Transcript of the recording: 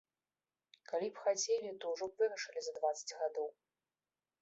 Калі б хацелі, то ўжо б вырашылі за дваццаць гадоў.